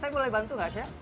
saya mulai bantu gak chef